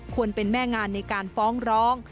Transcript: เป็นแม่งานในการฟ้องร้อง